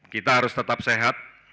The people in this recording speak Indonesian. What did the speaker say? kita harus tetap sehat